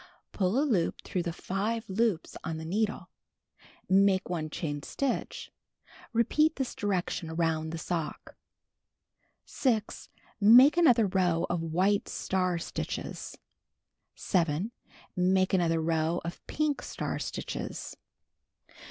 (See D.) Pull a loop through the 5 loops on the needle. Make 1 chain stitch. Repeat this direction around the sock. 6. Make another row of white star stitches. 7. Make another row of pink star stitches.